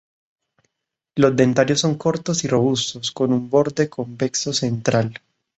Los dentarios son cortos y robustos, con un borde convexo central.